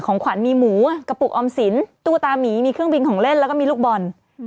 ขวัญมีหมูกระปุกออมสินตู้ตามีมีเครื่องบินของเล่นแล้วก็มีลูกบอล